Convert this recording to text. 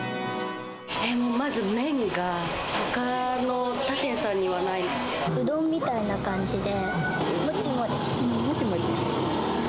まじ、麺が、ほかの、他店さうどんみたいな感じで、もちもち。